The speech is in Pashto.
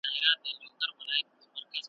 له سهاره تر ماښامه به وو ستړی ,